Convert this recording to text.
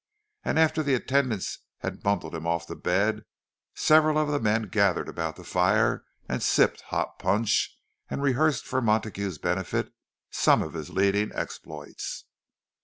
And after the attendants had bundled him off to bed, several of the men gathered about the fire and sipped hot punch, and rehearsed for Montague's benefit some of his leading exploits.